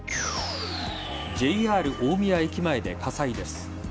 ＪＲ大宮駅前で火災です。